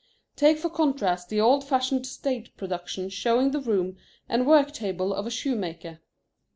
Take for contrast the old fashioned stage production showing the room and work table of a shoemaker.